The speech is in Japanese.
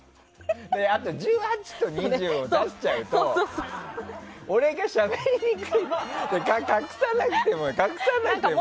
あと１８と２０を出しちゃうと俺がしゃべりにくいから。